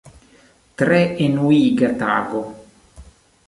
Tre enuiga tago.